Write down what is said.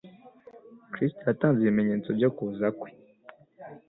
Kristo yatanze ibimenyetso byo kuza kwe.